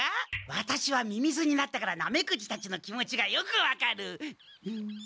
ワタシはミミズになったからナメクジたちの気持ちがよく分かる。